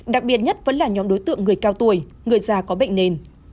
đặc biệt nhất vẫn là nhóm đối tượng người cao tuổi người già có bệnh nền